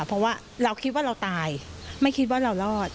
เพราะว่าเราคิดว่าเราตายไม่คิดว่าเรารอด